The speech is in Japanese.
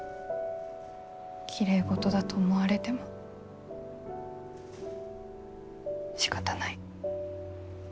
きれいごとだと思われてもしかたない。